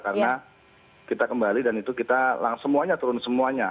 karena kita kembali dan itu kita semuanya turun semuanya